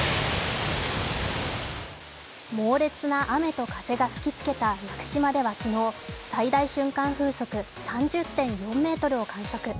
猛烈な雨と風が吹きつけた屋久島では昨日、最大瞬間風速３０．４メートルを観測。